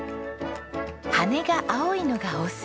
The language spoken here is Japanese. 羽根が青いのがオス。